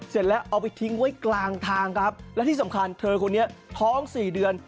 เสร็จแล้วเอาไปทิ้งไว้กลางทางครับและที่สำคัญเธอคนนี้ท้องสี่เดือน